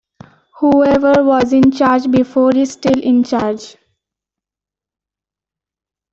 Whoever was in charge before is still in charge.